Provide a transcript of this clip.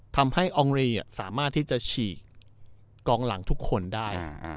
อองรีสามารถที่จะฉีกกองหลังทุกคนได้